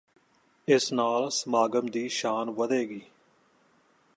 ਇਸ ਨਾਲ ਸਮਾਗਮ ਦੀ ਸ਼ਾਨ ਵਧੇਗੀ